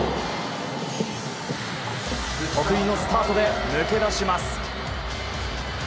得意のスタートで抜け出します。